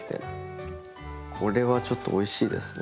これはちょっとおいしいですね。